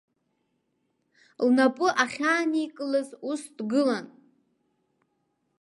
Лнапы ахьааникылаз ус дгылан.